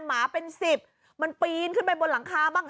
หมาเป็นสิบมันปีนขึ้นไปบนหลังคาบ้าง